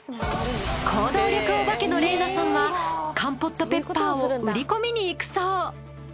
行動力お化けの澪那さんはカンポットペッパーを売り込みに行くそう。